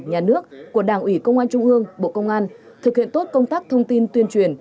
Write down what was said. nhà nước của đảng ủy công an trung ương bộ công an thực hiện tốt công tác thông tin tuyên truyền